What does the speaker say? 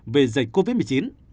vì dịch covid một mươi chín